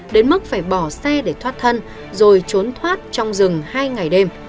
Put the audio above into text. đến mức phải bỏ xe để thoát thân rồi trốn thoát trong rừng hai ngày đêm